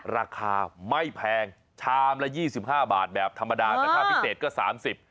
ราคาไม่แพงชามละ๒๕บาทแบบธรรมดาราคาพิเศษก็๓๐บาท